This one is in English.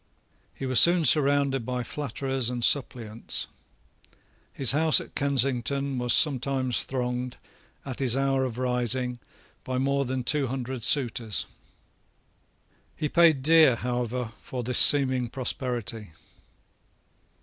He was soon surrounded by flatterers and suppliants. His house at Kensington was sometimes thronged, at his hour of rising, by more than two hundred suitors. He paid dear, however, for this seeming prosperity.